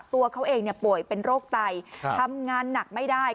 ตัวเขาเองป่วยเป็นโรคไตทำงานหนักไม่ได้